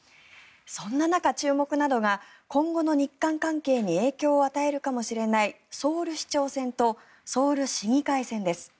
そんな中、注目なのが今後の日韓関係に影響を与えるかもしれないソウル市長選とソウル市議会選です。